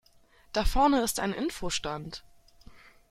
Da vorne ist ein Info-Stand.